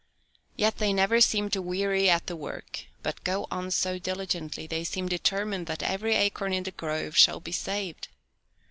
Yet they never seem to weary at the work, but go on so diligently they seem determined that every acorn in the grove shall be saved.